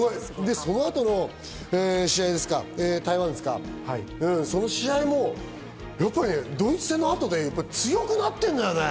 そのあとの試合、台湾ですか、その試合もドイツ戦の後で強くなってるんだよね。